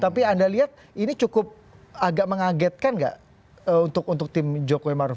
tapi anda lihat ini cukup agak mengagetkan nggak untuk tim jokowi maruf